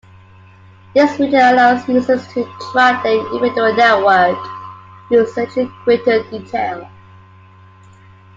This feature allows users to track their individual network usage in greater detail.